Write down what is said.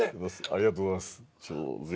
ありがとうございます。